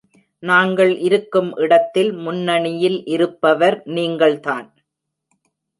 நாங்கள் இருக்கும் இடத்தில் முன்னணியில் இருப்பவர் நீங்கள்தான்.